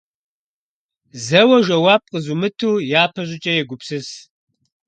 Зэуэ жэуап къызумыту, япэ щӏыкӏэ, егупсыс.